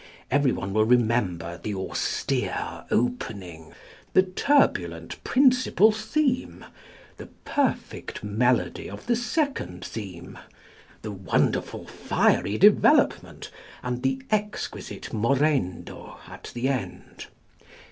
Everyone will remember the austere opening, the turbulent principal theme, the perfect melody of the second theme, the wonderful fiery development, and the exquisite morendo at the end.